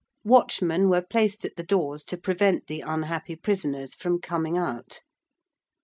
Watchmen were placed at the doors to prevent the unhappy prisoners from coming out.